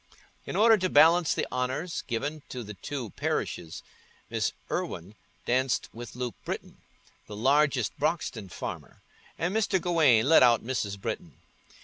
In order to balance the honours given to the two parishes, Miss Irwine danced with Luke Britton, the largest Broxton farmer, and Mr. Gawaine led out Mrs. Britton.